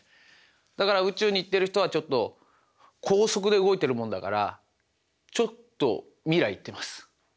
だから宇宙に行ってる人はちょっと高速で動いてるもんだからちょっと未来行ってます。